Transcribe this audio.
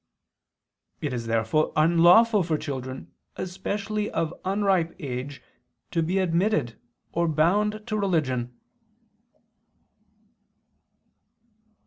It is therefore unlawful for children, especially of unripe age, to be admitted or bound to religion.